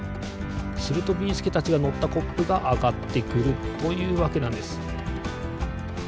するとビーすけたちがのったコップがあがってくるというわけなんです。